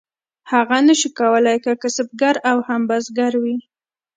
هغه نشو کولی هم کسبګر او هم بزګر وي.